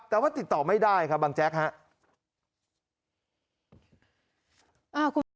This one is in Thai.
แต่ว่าติดต่อไม่ได้ครับบางแจ๊กครับ